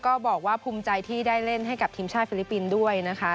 ก็บอกว่าภูมิใจที่ได้เล่นให้กับทีมชาติฟิลิปปินส์ด้วยนะคะ